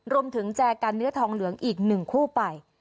รวมถึงแจกันเนื้อทองเหลืองอีกหนึ่งคู่ไป